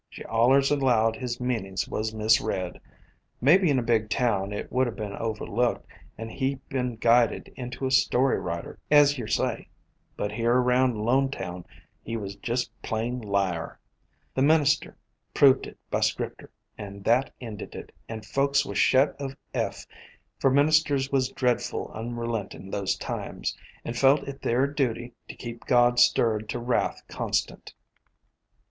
She allers allowed his meanin's was misread. Maybe in a big town it 26O A COMPOSITE FAMILY would 'a' been overlooked and he been guided into a story writer, as yer say, but here around Lone town he was just plain liar. The minister had proved it by Scripter, and that ended it, and folks was shet of Eph, for ministers was dreadful unre lentin' those times, and felt it their duty to keep God stirred to wrath constant.